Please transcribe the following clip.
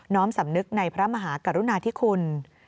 ้อมสำนึกในพระมหากรุณาธิคุณ